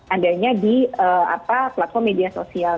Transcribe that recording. adanya di platform media sosial